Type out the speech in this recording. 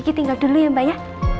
lagi tinggal dulu ya mbak ya